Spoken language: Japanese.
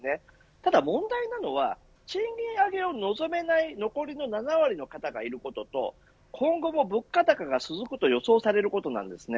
ただ、問題なのは賃金上げを望めない残りの７割の方がいることと今後も物価高が続くと予想されることなんです。